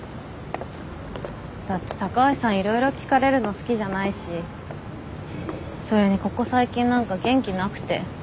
だって高橋さんいろいろ聞かれるの好きじゃないしそれにここ最近何か元気なくて。